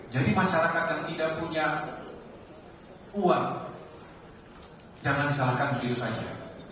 jadi masyarakat yang tidak punya uang jangan disalahkan begitu saja